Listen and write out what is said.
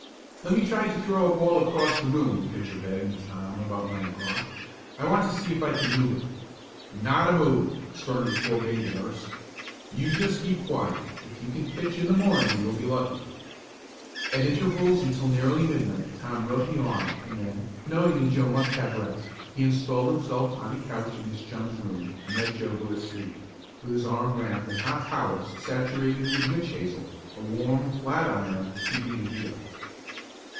"Let me try to throw a ball across the room," the pitcher begged of Tom about nine o'clock. "I want to see if I can move it." "Not a move!" sternly forbade the nurse. "You just keep quiet. If you can pitch in the morning you'll be lucky." At intervals until nearly midnight Tom rubbed the arm and then, knowing that Joe must have rest, he installed himself on a couch in his chum's room, and let Joe go to sleep, with his arm wrapped in hot towels saturated with witch hazel, a warm flat iron keeping the heat up.